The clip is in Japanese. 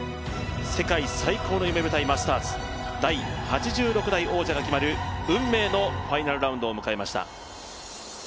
世界最高の夢舞台マスターズ、第８６代王者が決まる運命のファイナルラウンドを迎えました。